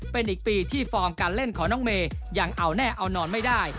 เป็นอีกปีที่ฟอร์มการเล่นของน้องเมย์ยังเอาแน่เอานอนไม่ได้